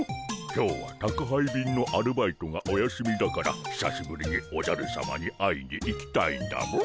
今日は宅配便のアルバイトがお休みだからひさしぶりにおじゃるさまに会いに行きたいんだモ。